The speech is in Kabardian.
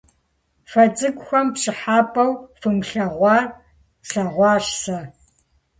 Фэ цӏыкӏухэм пщӀыхьэпӀэу фымылъэгъуар слъэгъуащ сэ.